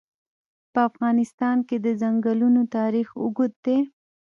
په افغانستان کې د ځنګلونه تاریخ اوږد دی.